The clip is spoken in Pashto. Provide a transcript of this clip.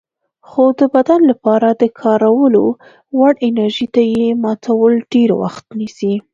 خو د بدن لپاره د کارولو وړ انرژي ته یې ماتول ډېر وخت نیسي.